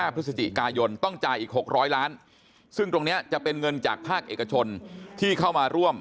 พฤศจิกายนต้องจ่ายอีก๖๐๐ล้านซึ่งตรงนี้จะเป็นเงินจากภาคเอกชนที่เข้ามาร่วม